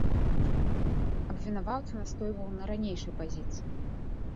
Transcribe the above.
Абвінаваўца настойваў на ранейшай пазіцыі.